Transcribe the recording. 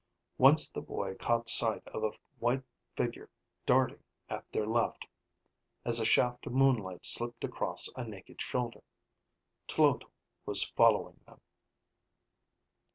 Once the boy caught sight of a white figure darting at their left as a shaft of moonlight slipped across a naked shoulder. Tloto was following them.